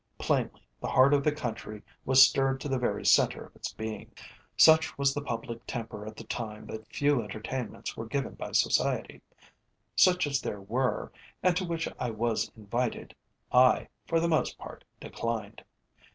Plainly the heart of the country was stirred to the very centre of its being. Such was the Public Temper at the time that few entertainments were given by Society. Such as there were, and to which I was invited, I, for the most part, declined.